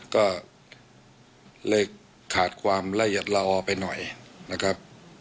ก็เลยขาดความละเอียดละออไปหน่อยนะครับ